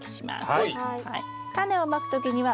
はい。